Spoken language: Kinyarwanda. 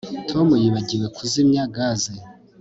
Tom yibagiwe kuzimya gaze